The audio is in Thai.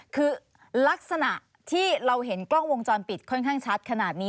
คือลักษณะที่เราเห็นกล้องวงจรปิดค่อนข้างชัดขนาดนี้